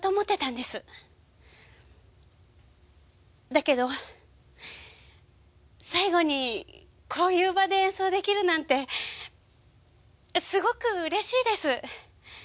だけど最後にこういう場で演奏出来るなんてすごくうれしいです。